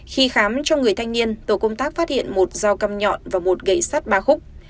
khi khám cho người thanh niên tổ công tác phát hiện một dao cam nhọn và một gậy sắt ba khúc